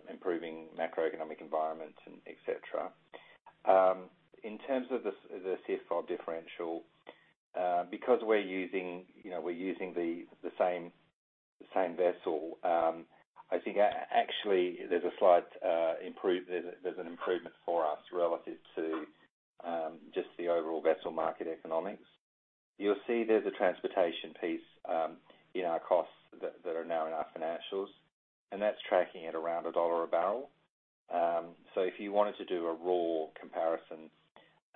improving macroeconomic environment, et cetera. In terms of the CIF/FOB differential, because we're using the same vessel, I think actually there's an improvement for us relative to just the overall vessel market economics. You'll see there's a transportation piece in our costs that are now in our financials, and that's tracking at around $1 a barrel. If you wanted to do a raw comparison,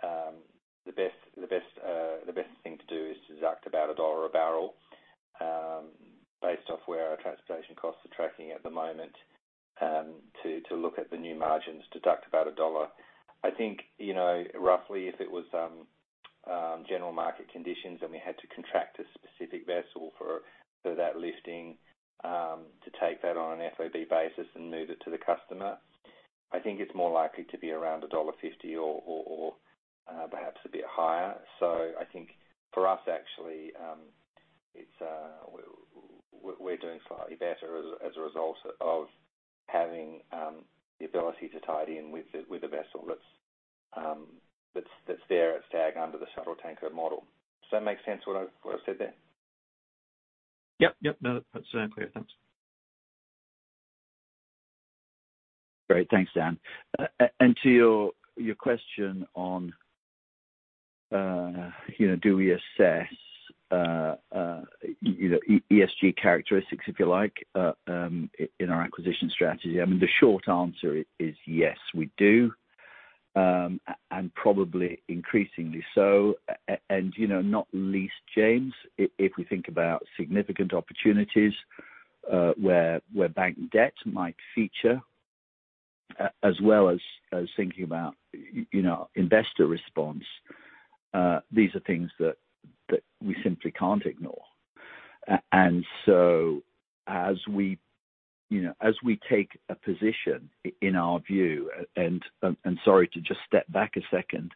the best thing to do is to deduct about $1 a barrel, based off where our transportation costs are tracking at the moment, to look at the new margins, deduct about $1. I think, roughly, if it was general market conditions and we had to contract a specific vessel for that listing, to take that on an FOB basis and move it to the customer, I think it's more likely to be around $1.50 or perhaps a bit higher. I think for us, actually, we're doing slightly better as a result of having the ability to tie it in with the vessel that's there at Stag under the shuttle tanker model. Does that make sense, what I've said there? Yep. No, that's clear. Thanks. Great. Thanks, Dan. To your question on do we assess ESG characteristics, if you like, in our acquisition strategy. I mean, the short answer is yes, we do. Probably increasingly so. Not least, James, if we think about significant opportunities where bank debt might feature, as well as thinking about investor response, these are things that we simply can't ignore. As we take a position in our view, sorry to just step back a second,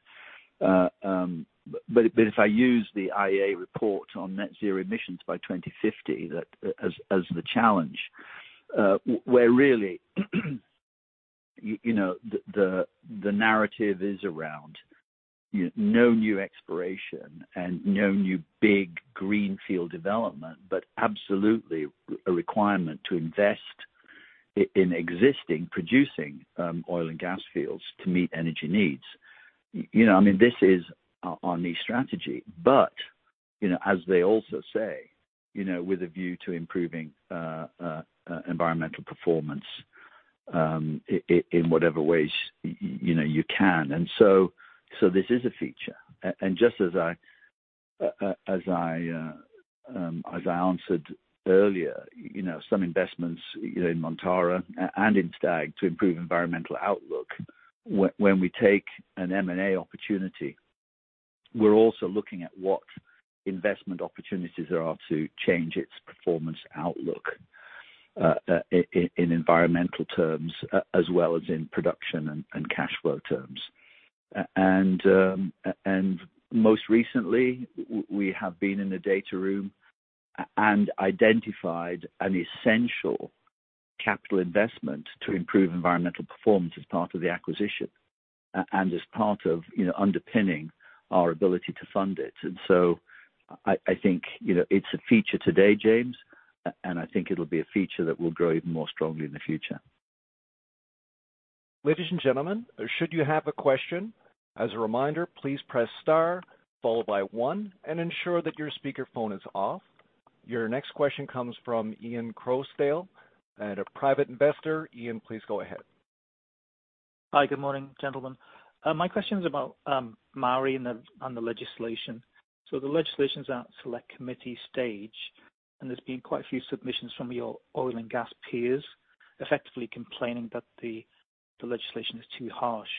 but if I use the IEA report on net zero emissions by 2050 as the challenge, where really the narrative is around no new exploration and no new big green field development, but absolutely a requirement to invest in existing producing oil and gas fields to meet energy needs. This is our niche strategy. As they also say, with a view to improving environmental performance in whatever ways you can. This is a feature. Just as I answered earlier, some investments in Montara and in Stag to improve environmental outlook. When we take an M&A opportunity, we're also looking at what investment opportunities there are to change its performance outlook in environmental terms, as well as in production and cash flow terms. Most recently, we have been in the data room and identified an essential capital investment to improve environmental performance as part of the acquisition and as part of underpinning our ability to fund it. I think, it's a feature today, James, and I think it'll be a feature that will grow even more strongly in the future. Ladies and gentlemen, should you have a question, as a reminder, please press star followed by one and ensure that your speaker phone is off. Your next question comes from Ian Crosdale at a private investor. Ian, please go ahead. Hi, good morning, gentlemen. My question is about Maari and the legislation. The legislation's at select committee stage, and there's been quite a few submissions from your oil and gas peers effectively complaining that the legislation is too harsh.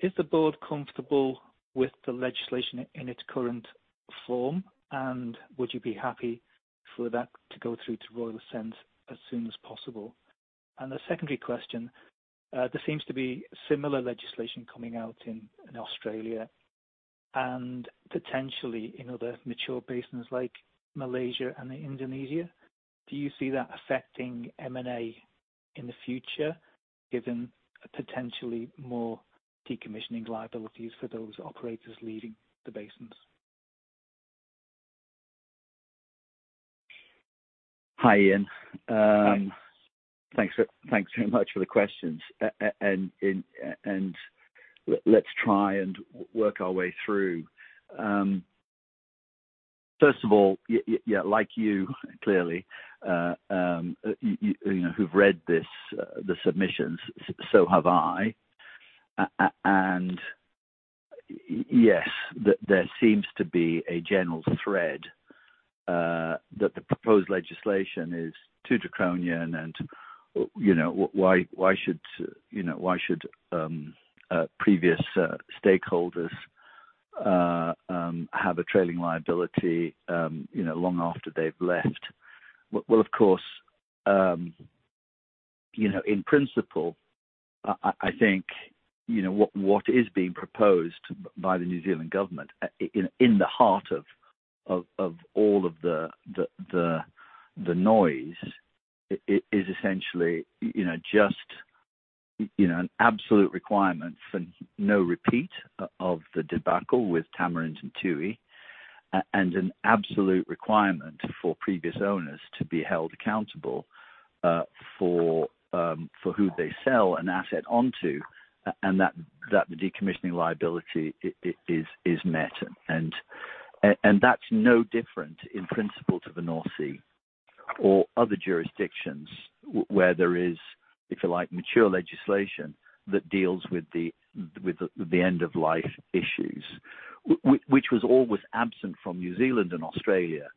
Is the board comfortable with the legislation in its current form, and would you be happy for that to go through to Royal Assent as soon as possible? A secondary question, there seems to be similar legislation coming out in Australia and potentially in other mature basins like Malaysia and Indonesia. Do you see that affecting M&A in the future, given potentially more decommissioning liabilities for those operators leaving the basins? Hi, Ian. Hi. Thanks very much for the questions. Let's try and work our way through. First of all, yeah, like you, clearly, who've read the submissions, so have I. Yes, there seems to be a general thread that the proposed legislation is too draconian and why should previous stakeholders have a trailing liability long after they've left? Well, of course, in principle, I think what is being proposed by the New Zealand government in the heart of all of the noise is essentially just an absolute requirement for no repeat of the debacle with Tamarind and Tui, and an absolute requirement for previous owners to be held accountable for who they sell an asset onto, and that the decommissioning liability is met. That's no different in principle to the North Sea or other jurisdictions where there is, if you like, mature legislation that deals with the end of life issues. It was always absent from New Zealand and Australia,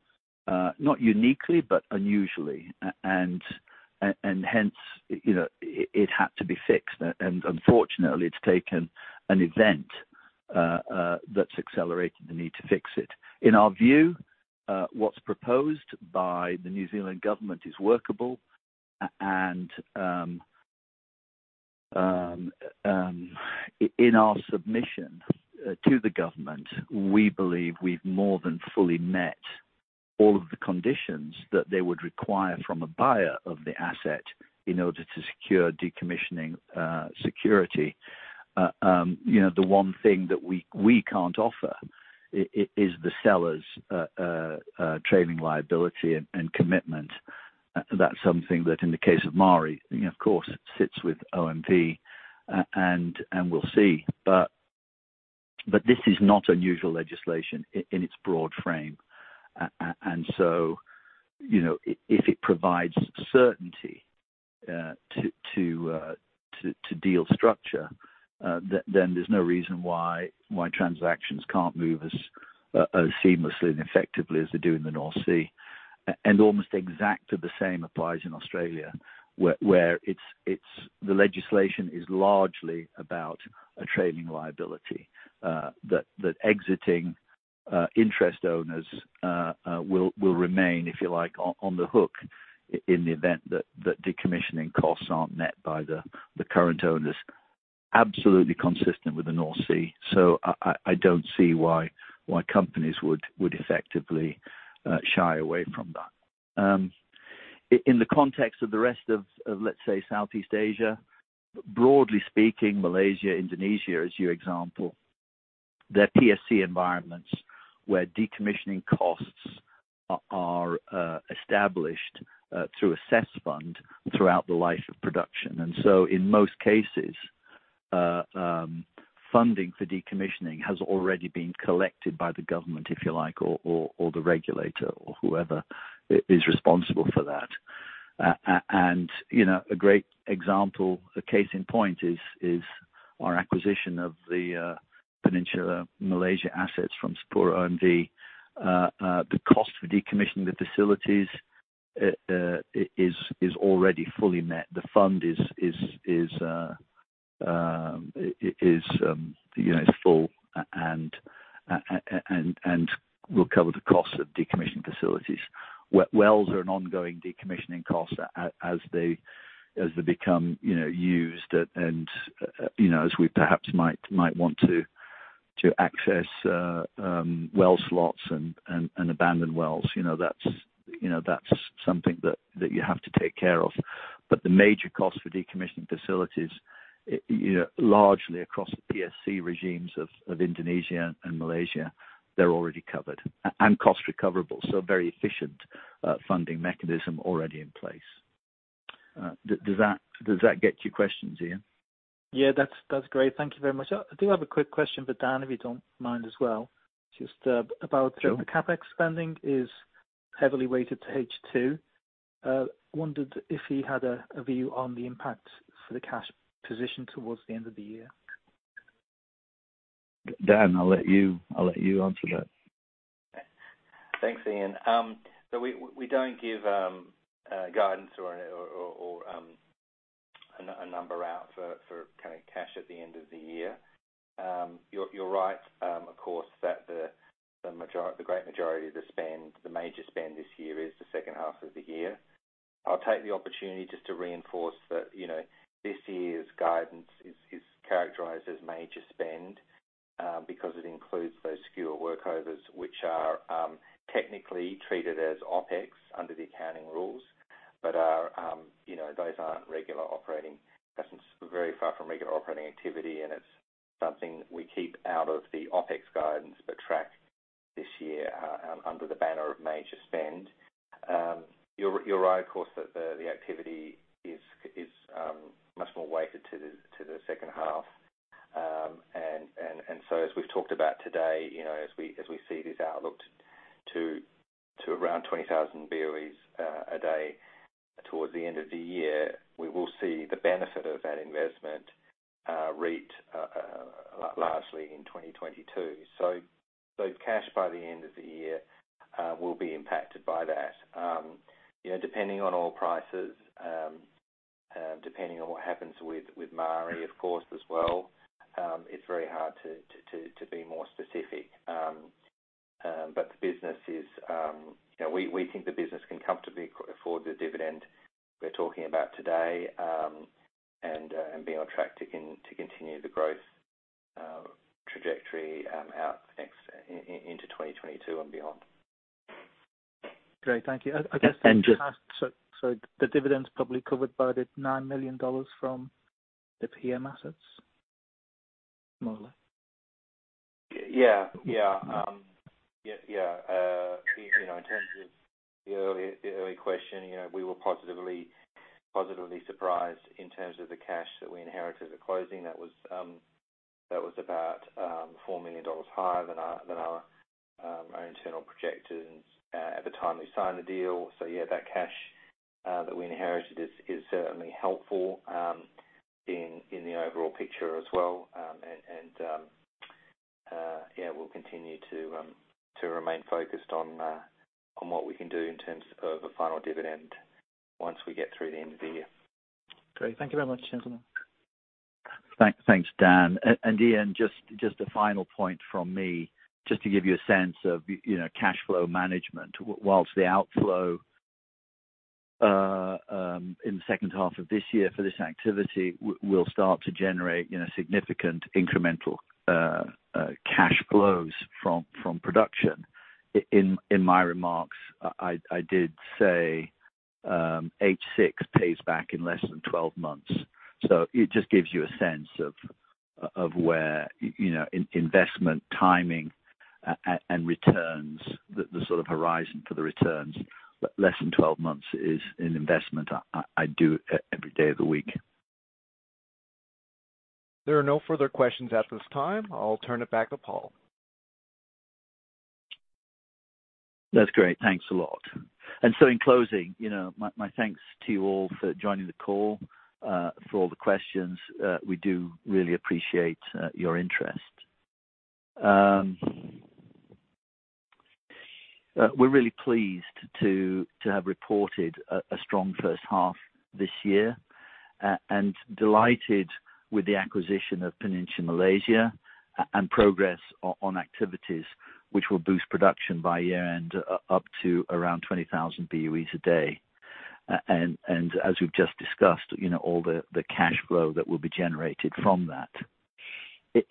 not uniquely, but unusually. Hence, it had to be fixed. Unfortunately, it's taken an event that's accelerated the need to fix it. In our view, what's proposed by the New Zealand government is workable, and in our submission to the government, we believe we've more than fully met all of the conditions that they would require from a buyer of the asset in order to secure decommissioning security. The one thing that we can't offer is the seller's trailing liability and commitment. That's something that, in the case of Mari, of course, sits with OMV, and we'll see. This is not unusual legislation in its broad frame. If it provides certainty to deal structure, then there's no reason why transactions can't move as seamlessly and effectively as they do in the North Sea. Almost exactly the same applies in Australia, where the legislation is largely about a trailing liability that exiting interest owners will remain, if you like, on the hook in the event that decommissioning costs aren't met by the current owners. Absolutely consistent with the North Sea. I don't see why companies would effectively shy away from that. In the context of the rest of, let's say, Southeast Asia, broadly speaking, Malaysia, Indonesia, as your example, they're PSC environments where decommissioning costs are established through a cess fund throughout the life of production. In most cases, funding for decommissioning has already been collected by the government, if you like, or the regulator, or whoever is responsible for that. A great example, a case in point is our acquisition of the Peninsular Malaysia assets from SapuraOMV. The cost for decommissioning the facilities is already fully met. The fund is full and will cover the cost of decommissioning facilities. Wells are an ongoing decommissioning cost as they become used and as we perhaps might want to access well slots and abandoned wells. That's something that you have to take care of. The major cost for decommissioning facilities, largely across the PSC regimes of Indonesia and Malaysia, they're already covered and cost recoverable. Very efficient funding mechanism already in place. Does that get your questions, Ian? Yeah. That's great. Thank you very much. I do have a quick question for Dan, if you don't mind as well. Sure. The CapEx spending is heavily weighted to H2. Wondered if he had a view on the impact for the cash position towards the end of the year. Dan, I'll let you answer that. Thanks, Ian. We don't give guidance or a number out for cash at the end of the year. You're right, of course, that the great majority of the spend, the major spend this year is the second half of the year. I'll take the opportunity just to reinforce that this year's guidance is characterized as major spend because it includes those Skua workovers, which are technically treated as OPEX under the accounting rules, but those aren't regular operating. That's very far from regular operating activity, and it's something we keep out of the OPEX guidance but track this year under the banner of major spend. You're right, of course, that the activity is much more weighted to the second half. As we've talked about today, as we see this outlook to around 20,000 boe/d towards the end of the year, we will see the benefit of that investment rate lastly in 2022. Cash by the end of the year will be impacted by that. Depending on oil prices, depending on what happens with Maari, of course, as well, it's very hard to be more specific. We think the business can comfortably afford the dividend we're talking about today, and be on track to continue the growth trajectory out into 2022 and beyond. Great. Thank you. And just. I guess the dividends probably covered by the $9 million from the PM assets, more or less. In terms of the early question, we were positively surprised in terms of the cash that we inherited at closing. That was about $4 million higher than our own internal projections at the time we signed the deal. That cash that we inherited is certainly helpful in the overall picture as well. We'll continue to remain focused on what we can do in terms of a final dividend once we get through the end of the year. Great. Thank you very much, gentlemen. Thanks, Dan. Ian, just a final point from me, just to give you a sense of cash flow management. Whilst the outflow in the second half of this year for this activity will start to generate significant incremental cash flows from production. In my remarks, I did say H6 pays back in less than 12 months, so it just gives you a sense of where investment timing and returns, the sort of horizon for the returns. Less than 12 months is an investment I'd do every day of the week. There are no further questions at this time. I'll turn it back to Paul. That's great. Thanks a lot. In closing, my thanks to you all for joining the call, for all the questions. We do really appreciate your interest. We're really pleased to have reported a strong first half this year and delighted with the acquisition of Peninsular Malaysia and progress on activities which will boost production by year-end up to around 20,000 boe/d. As we've just discussed, all the cash flow that will be generated from that.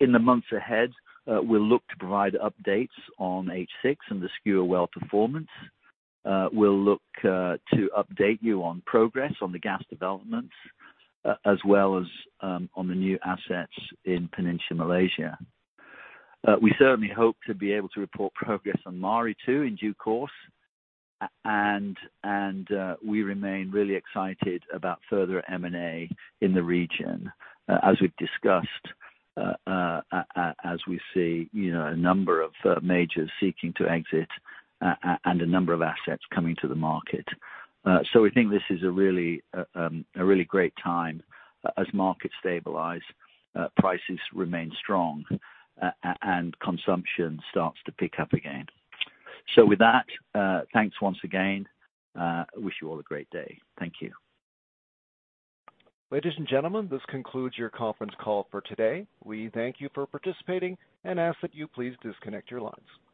In the months ahead, we'll look to provide updates on H6 and the Skua well performance. We'll look to update you on progress on the gas developments, as well as on the new assets in Peninsular Malaysia. We certainly hope to be able to report progress on Maari too in due course. We remain really excited about further M&A in the region, as we've discussed, as we see a number of majors seeking to exit and a number of assets coming to the market. We think this is a really great time as markets stabilize, prices remain strong, and consumption starts to pick up again. With that, thanks once again. I wish you all a great day. Thank you. Ladies and gentlemen, this concludes your conference call for today. We thank you for participating and ask that you please disconnect your lines.